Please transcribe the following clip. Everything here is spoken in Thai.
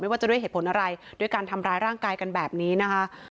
ว่าจะด้วยเหตุผลอะไรด้วยการทำร้ายร่างกายกันแบบนี้นะคะ